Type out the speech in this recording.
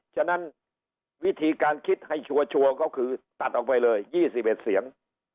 ฉะนั้นวิธีการคิดให้ชัวร์ก็คือตัดออกไปเลย๒๑เสียง